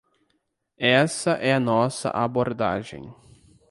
Essa é a nossa abordagem.